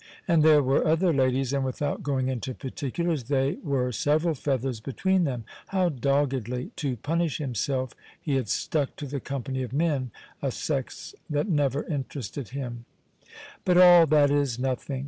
And there were other ladies, and, without going into particulars, they were several feathers between them. How doggedly, to punish himself, he had stuck to the company of men, a sex that never interested him! "But all that is nothing.